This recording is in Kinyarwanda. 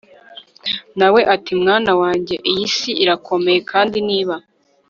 na we ati mwana wanjye, iyi si irakomeye kandi niba